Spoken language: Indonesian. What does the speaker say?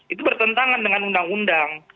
itu bertentangan dengan undang undang